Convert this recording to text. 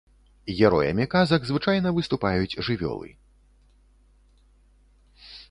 Героямі казак звычайна выступаюць жывёлы.